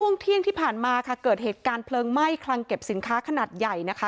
ช่วงเที่ยงที่ผ่านมาค่ะเกิดเหตุการณ์เพลิงไหม้คลังเก็บสินค้าขนาดใหญ่นะคะ